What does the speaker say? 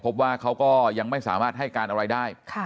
พบว่าเขาก็ยังไม่สามารถให้การอะไรได้